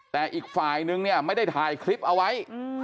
แต่อีกฝ่ายนึงเนี่ยไม่ได้ถ่ายคลิปเอาไว้